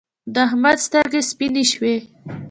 د احمد سترګې سپينې شوې.